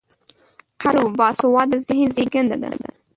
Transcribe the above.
قلم د باسواده ذهن زیږنده ده